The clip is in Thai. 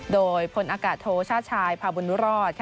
โดยพลอากาศโทชาติชายพาบุญรอด